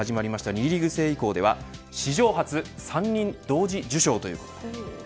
２リーグ制以降では史上初３人同時受賞ということに。